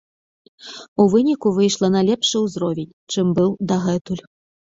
У выніку выйшла на лепшы ўзровень, чым быў дагэтуль.